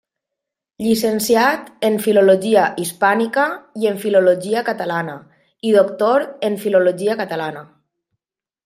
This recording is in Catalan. Llicenciat en Filologia Hispànica i en Filologia Catalana, i Doctor en Filologia Catalana.